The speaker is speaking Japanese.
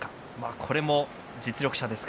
これも実力者です。